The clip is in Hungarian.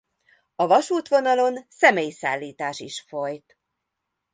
A vasútvonalon személyszállítás is folyt.